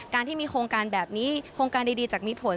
การที่มีโครงการแบบนี้โครงการดีจากมีผล